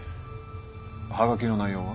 はがきの内容は？